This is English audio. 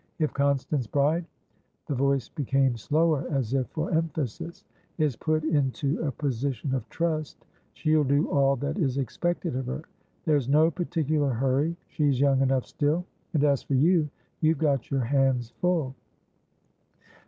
If Constance Bride"the voice became slower, as if for emphasis"is put into a position of trust, she'll do all that is expected of her. There's no particular hurry; she's young enough still. And as for you, you've got your hands full."